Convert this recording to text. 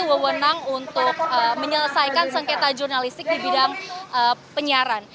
wewenang untuk menyelesaikan sengketa jurnalistik di bidang penyiaran